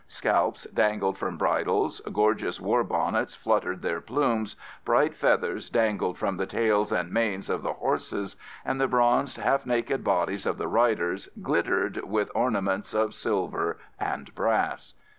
Scalps dangled from bridles, gorgeous war bonnets fluttered their plumes, bright feathers dangled from the tails and manes of the horses, and the bronzed, half naked bodies of the riders glittered with ornaments of silver and brass.